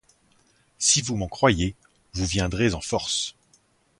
Si vous m'en croyez, vous viendrez en force.